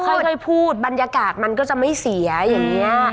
ค่อยพูดบรรยากาศมันก็จะไม่เสียอย่างนี้